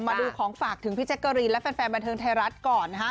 มาดูของฝากถึงพี่แจ๊กกะรีนและแฟนบันเทิงไทยรัฐก่อนนะฮะ